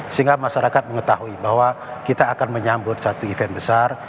sehingga masyarakat mengetahui bahwa kita akan menyambut satu event besar